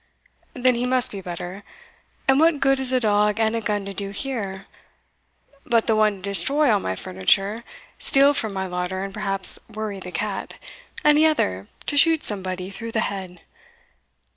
"Then he must be better and what good is a dog and a gun to do here, but the one to destroy all my furniture, steal from my larder, and perhaps worry the cat, and the other to shoot somebody through the head.